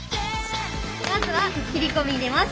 まずは切り込み入れます。